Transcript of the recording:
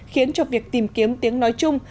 khiến cho việc tìm kiếm tiếng nói chung